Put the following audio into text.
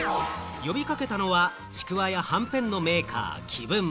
呼び掛けたのは、ちくわや、はんぺんのメーカー・紀文。